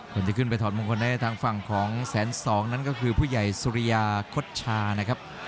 คนที่ขึ้นไปถอดมงคลให้ทางฝั่งของแสนสองนั้นก็คือผู้ใหญ่สุริยาคดชานะครับ